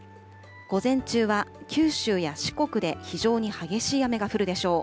午前中は九州や四国で非常に激しい雨が降るでしょう。